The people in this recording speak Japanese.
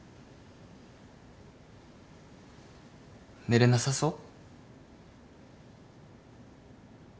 寝れなさそう？